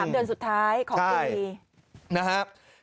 ๓เดือนสุดท้ายของปี